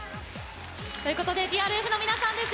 ＴＲＦの皆さんです。